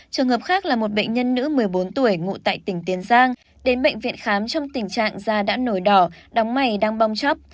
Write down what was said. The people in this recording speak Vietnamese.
trường hợp khác là một bệnh nhân nữ một mươi bốn tuổi ngụ tại tỉnh tiền giang đến bệnh viện khám trong tình trạng da đã nổi đỏ đóng mày đang bong chóc